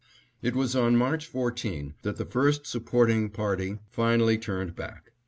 It was on March 14 that the first supporting party finally turned back.